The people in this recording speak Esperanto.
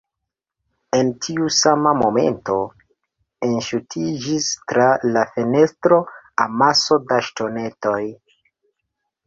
En tiu sama momento, enŝutiĝis tra la fenestro,, amaso da ŝtonetoj.